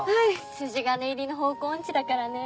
筋金入りの方向音痴だからね。